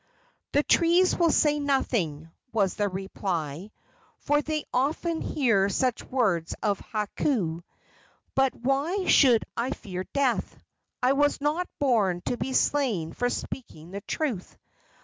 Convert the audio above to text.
"The trees will say nothing," was the reply, "for they often hear such words of Hakau. But why should I fear death? I was not born to be slain for speaking the truth.